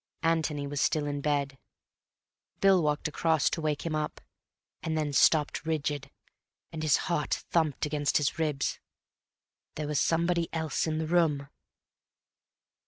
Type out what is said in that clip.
Antony was still in bed. Bill walked across to wake him up, and then stopped rigid, and his heart thumped against his ribs. There was somebody else in the room.